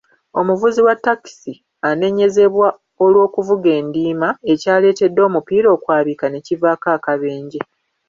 Omuvuzi wa ttakisi anenyezebwa olw'okuvuga endiima, ekyaleetedde omupiira okwabika ne kivaako akabenje.